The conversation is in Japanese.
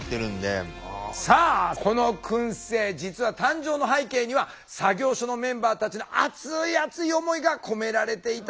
さあこのくん製実は誕生の背景には作業所のメンバーたちの熱い熱い思いが込められていたんですよ。